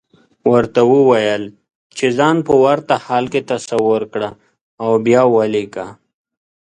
ورته وويل چې ځان په ورته حال کې تصور کړه او بيا وليکه.